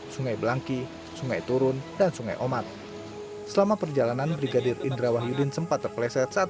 sungai belangki sungai turun dan sungai omat selama perjalanan brigadir indra wahyudin sempat terpleset saat